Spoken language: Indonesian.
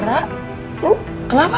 rara lo kenapa